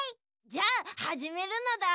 じゃあはじめるのだ。